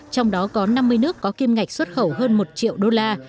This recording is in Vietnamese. trong đó có năm mươi nước có kim ngạch xuất khẩu hơn một triệu đô la